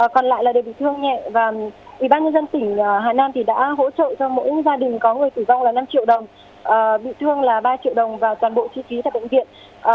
còn lại là để bị thương nhẹ và ủy ban nhân dân tỉnh hà nam thì đã hỗ trợ cho mỗi gia đình có người tử vong là năm triệu đồng bị thương là ba triệu đồng và toàn bộ chi phí tại bệnh viện